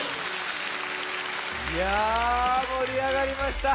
いやもりあがりました。